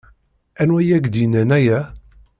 Anwa i ak-d-yennan aya?